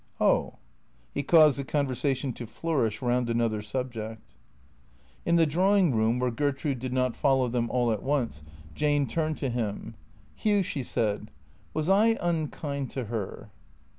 " Oh." He caused the conversation to flourish round another subject. THECEEATORS 391 In the drawing room, where Gertrude did not follow them all at once, Jane turned to him. " Hugh," she said, " was I unkind to her?